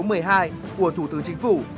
của thủ tướng chính phủ